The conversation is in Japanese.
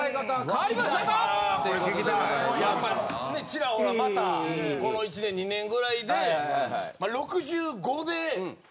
やっぱりちらほらまたこの１年２年ぐらいで。っていう。